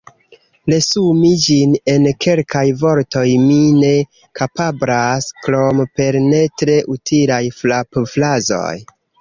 Resumi ĝin en kelkaj vortoj mi ne kapablas, krom per ne tre utilaj frapfrazoj.